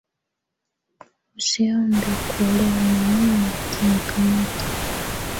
Usiombe kuolewa na mume kinuka mto